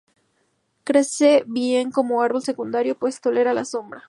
Crece bien como árbol secundario, pues tolera la sombra.